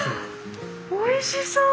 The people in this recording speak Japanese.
おいしそう！